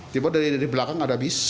tiba dari belakang ada bis